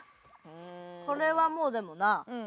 これはもうでもなあ。